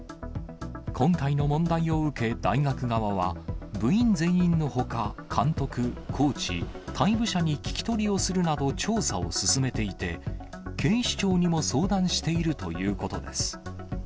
今回の問題を受け、大学側は、部員全員のほか、監督、コーチ、退部者に聞き取りをするなど、調査を進めていて、警視庁にも相談しているということです。